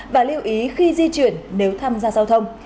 và lưu ý khi di chuyển nếu tham gia giao thông